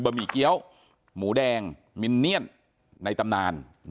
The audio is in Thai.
หมี่เกี้ยวหมูแดงมินเนียนในตำนาน